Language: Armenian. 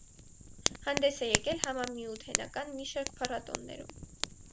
Հանդես է եկել համամիութենական մի շարք փառատոներում։